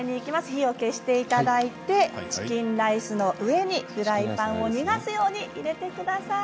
火を消していただいてチキンライスの上にフライパンを逃がすように入れてください。